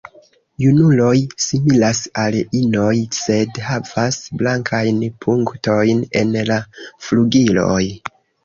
Junuloj similas al inoj, sed havas blankajn punktojn en la flugiloj.